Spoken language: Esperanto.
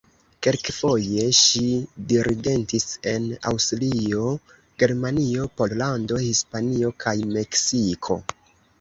Kelkfoje ŝi dirigentis en Aŭstrio, Germanio, Pollando, Hispanio, kaj Meksiko.